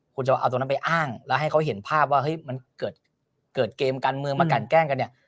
คุณจะเอาตรงนั้นไปอ้างแล้วให้เขาเห็นภาพว่าเฮ้ยมันเกิดเกมการเมืองมากันแกล้งกันเนี่ย